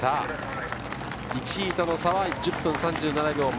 １位との差は１０分３７秒。